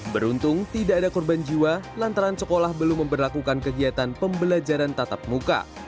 beruntung tidak ada korban jiwa lantaran sekolah belum memperlakukan kegiatan pembelajaran tatap muka